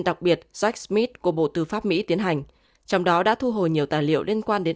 đặc biệt jack smith của bộ tư pháp mỹ tiến hành trong đó đã thu hồi nhiều tài liệu liên quan đến